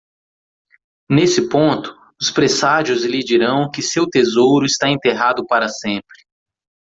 Nesse ponto, os presságios lhe dirão que seu tesouro está enterrado para sempre.